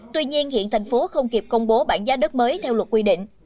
tuy nhiên hiện tp hcm không kịp công bố bảng giá đất mới theo luật quy định